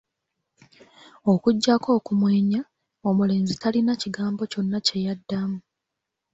Okuggyako okumwenya, omulenzi talina kigambo kyonna kye yaddamu.